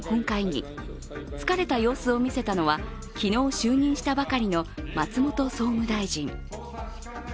午後の参院本会議疲れた様子を見せたのは昨日就任したばかりの松本総務大臣。